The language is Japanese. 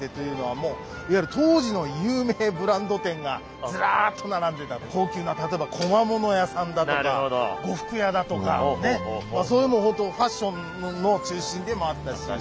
もういわゆる当時の有名ブランド店がズラーッと並んでたんで高級な例えば小間物屋さんだとか呉服屋だとかねそういうもう本当ファッションの中心でもあったし。